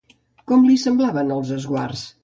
Com li semblaven els esguards?